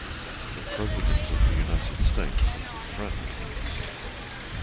The President of the United States was his friend.